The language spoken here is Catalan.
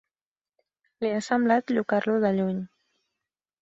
Li ha semblat llucar-lo de lluny.